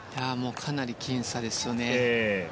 かなり僅差ですよね。